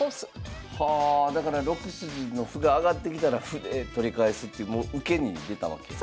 はあだから６筋の歩が上がってきたら歩で取り返すっていう受けに出たわけや。